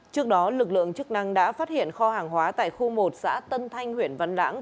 trước đó lực lượng chức năng đã phát hiện kho hàng hóa tại khu một xã tân thanh huyện văn lãng